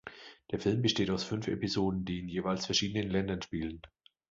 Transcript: Der Film besteht aus fünf Episoden, die in jeweils verschiedenen Ländern spielen.